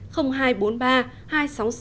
còn bây giờ xin kính chào và hẹn gặp lại